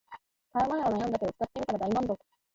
買う前は悩んだけど使ってみたら大満足